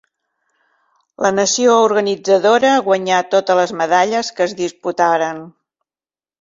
La nació organitzadora guanyà totes les medalles que es disputaren.